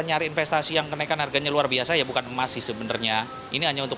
nyari investasi yang kenaikan harganya luar biasa ya bukan emas sih sebenarnya ini hanya untuk